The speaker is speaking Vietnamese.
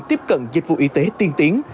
tiếp cận dịch vụ y tế tiên tiến